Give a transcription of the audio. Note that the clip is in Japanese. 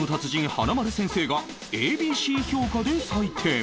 華丸先生が ＡＢＣ 評価で採点